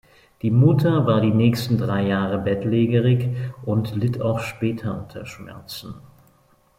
Die Mutter war die nächsten drei Jahre bettlägerig und litt auch später unter Schmerzen.